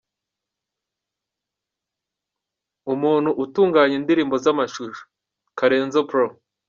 Umuntu utunganya indirimbo z’amashusho: Karenzo Pro.